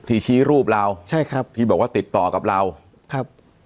ชี้รูปเราใช่ครับที่บอกว่าติดต่อกับเราครับ